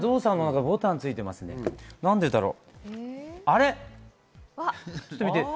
何でだろう。